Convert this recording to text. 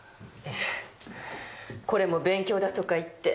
ええこれも勉強だとか言って。